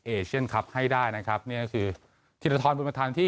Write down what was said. เอเชียนคลับให้ได้นะครับนี่ก็คือธีรทรบุญมาทันที่